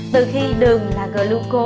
từ khi đường là gluco